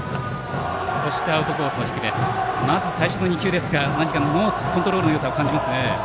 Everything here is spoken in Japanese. まず最初の２球ですが何かもうコントロールのよさを感じますね。